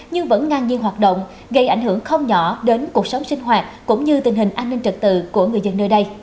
nhưng vẫn ngang nhiên hoạt động gây ảnh hưởng không nhỏ đến cuộc sống sinh hoạt cũng như tình hình an ninh trật tự của người dân nơi đây